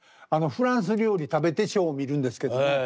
あのフランス料理食べてショーを見るんですけども。